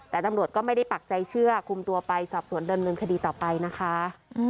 แต่ตำรวจก็ไม่ได้ปักใจเชื่อคุมตัวไปสอบสวนดำเนินคดีต่อไปนะคะ